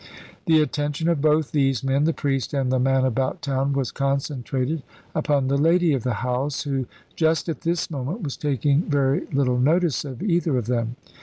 The attention of both these men, the priest and the man about town, was concentrated upon the lady of the house, who, just at this moment, was taking very little notice of either of them.